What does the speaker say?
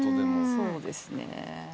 そうですね。